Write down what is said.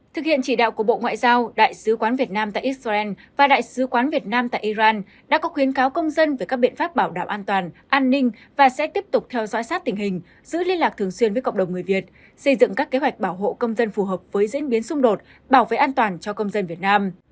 trước đó bộ ngoại giao việt nam đã chỉ đạo các đại sứ quán việt nam tại israel và đại sứ quán việt nam tại iran đã có khuyến cáo công dân về các biện pháp bảo đảm an toàn an ninh và sẽ tiếp tục theo dõi sát tình hình giữ liên lạc thường xuyên với cộng đồng người việt xây dựng các kế hoạch bảo hộ công dân phù hợp với diễn biến xung đột bảo vệ an toàn cho công dân việt nam